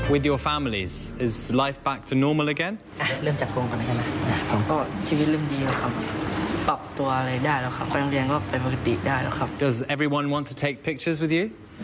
ว่าใครอยากถ่วย